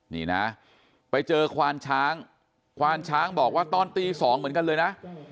นี่นะไปเจอควานช้างควานช้างบอกว่าตอนตี๒เหมือนกันเลยนะ